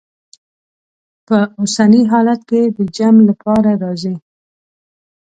په اوسني حالت کې د جمع لپاره راځي.